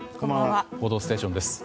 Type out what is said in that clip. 「報道ステーション」です。